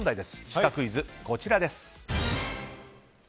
シカクイズこちらです。